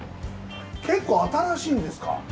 結構新しいんですか？